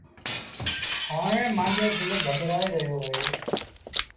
هآڻي مآݩجو دل گٻرآئي رهيو اهي۔